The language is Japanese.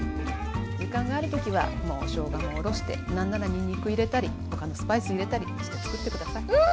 時間がある時はもうしょうがもおろして何ならにんにく入れたり他のスパイス入れたりして作って下さい。